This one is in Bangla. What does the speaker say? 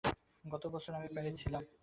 গতবছর আমি প্যারিস ছিলাম।